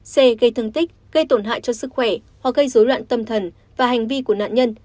c gây thương tích gây tổn hại cho sức khỏe hoặc gây dối loạn tâm thần và hành vi của nạn nhân